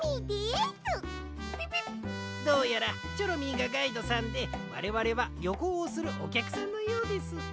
ピピッどうやらチョロミーがガイドさんでわれわれはりょこうをするおきゃくさんのようです。